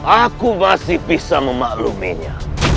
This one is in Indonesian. aku masih bisa memakluminya